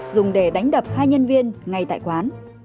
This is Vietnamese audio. dùng để đánh đập hai nhân viên ngay tại quán